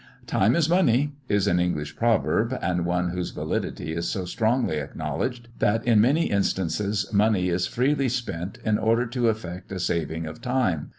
"Time is money!" is an English proverb, and one whose validity is so strongly acknowledged, that in many instances money is freely spent in order to effect a saving of time.